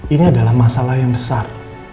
ini adalah masalah yang besar